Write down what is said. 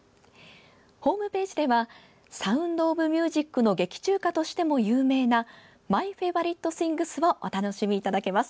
ホームページでは「サウンド・オブ・ミュージック」の劇中曲としても有名な「マイ・フェイバリット・シングス」をお楽しみいただけます。